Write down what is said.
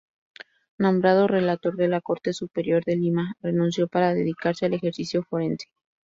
Nombrado relator de la Corte Superior de Lima, renunció para dedicarse al ejercicio forense.